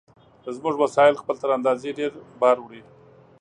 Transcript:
زموږ وسایل خپل تر اندازې ډېر بار وړي.